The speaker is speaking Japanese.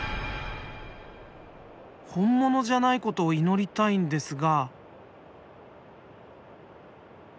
本物じゃないことを祈りたいんですが。